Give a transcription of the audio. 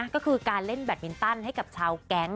ก็คือการเล่นแบตมินตันให้กับชาวแก๊ง